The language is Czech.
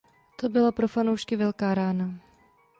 To byla pro fanoušky velká rána.